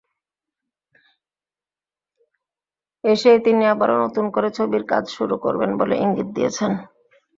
এসেই তিনি আবারও নতুন করে ছবির কাজ শুরু করবেন বলে ইঙ্গিত দিয়েছেন।